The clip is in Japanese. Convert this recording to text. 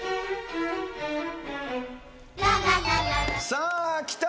さあきた。